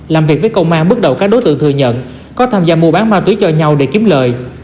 làm việc với công an bước đầu các đối tượng thừa nhận có tham gia mua bán ma túy cho nhau để kiếm lời